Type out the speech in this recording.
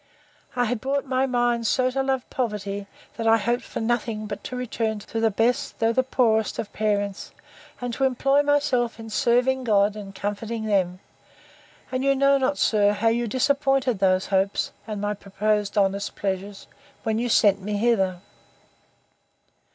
I had brought my mind so to love poverty, that I hoped for nothing but to return to the best, though the poorest of parents; and to employ myself in serving God, and comforting them; and you know not, sir, how you disappointed those hopes, and my proposed honest pleasures, when you sent me hither.